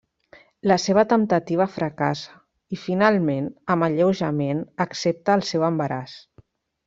La seva temptativa fracassa i, finalment, amb alleujament accepta el seu embaràs.